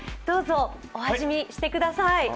どうぞお味見してください。